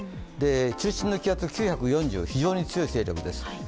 中心の気圧が９４０、非常に強い勢力です。